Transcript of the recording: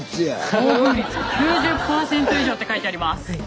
遭遇率９０％以上って書いてあります。